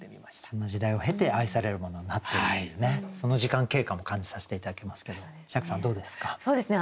そんな時代を経て愛されるものになってるというねその時間経過も感じさせて頂けますけど釈さんどうですか？